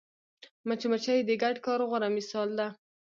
مچمچۍ د ګډ کار غوره مثال ده